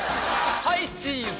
はいチーズ！